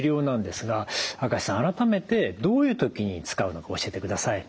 改めてどういう時に使うのか教えてください。